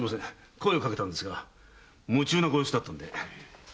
声をかけたのですが夢中のご様子だったので。